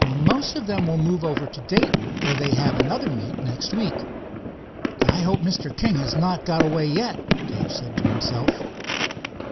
"Most of them will move over to Dayton, where they have another meet next week." "I hope Mr. King has not got away yet," Dave said to himself.